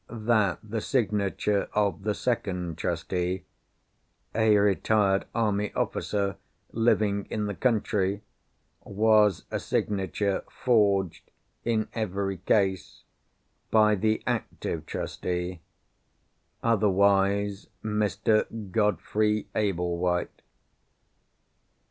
That the signature of the second Trustee (a retired army officer, living in the country) was a signature forged, in every case, by the active Trustee—otherwise Mr. Godfrey Ablewhite.